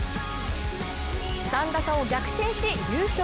３打差を逆転し優勝。